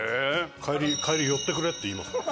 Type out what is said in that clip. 帰り寄ってくれって言いますもん。